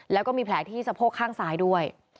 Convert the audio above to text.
แล้วก็มีแผลที่สะโพกข้างซ้ายด้วย